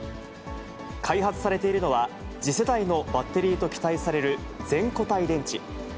開発されているのは、次世代のバッテリーと期待される全固体電池。